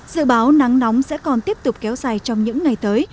dự báo nắng nóng sẽ còn tiếp tục kéo dài trong những ngày tới